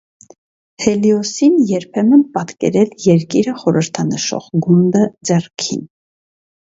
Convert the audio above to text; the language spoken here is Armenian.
Հելիոսին երբեմն պատկերել երկիրը խորհրդանշող գունդը ձեռքին։